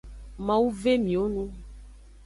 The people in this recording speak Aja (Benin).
Mawu ve miwo nu.